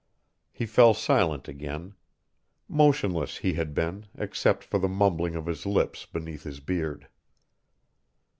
He fell silent again. Motionless he had been, except for the mumbling of his lips beneath his beard.